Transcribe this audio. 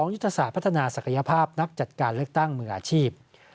ยุทธศาสตร์พัฒนาศักยภาพนักจัดการเลือกตั้งมืออาชีพ